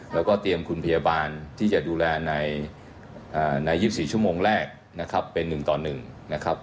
แล้วก็เตรียมคุณพยาบาลที่จะดูแลใน๒๔ชั่วโมงแรกนะครับเป็น๑ต่อ๑นะครับ